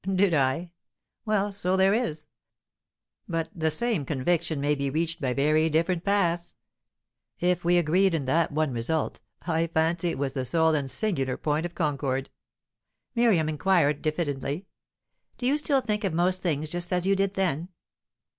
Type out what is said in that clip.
"Did I? Well, so there is. But the same conviction may be reached by very different paths. If we agreed in that one result, I fancy it was the sole and singular point of concord." Miriam inquired diffidently: "Do you still think of most things just as you did then?"